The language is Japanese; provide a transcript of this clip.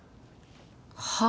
はあ？